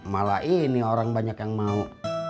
malah ini orang banyak yang mau